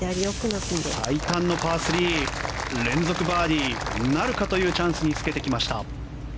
最短のパー３連続バーディーなるかというチャンスにつけてきました。